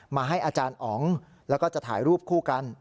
มาให้อาจารย์อ๋องแล้วก็จะถ่ายรูปคู่กัน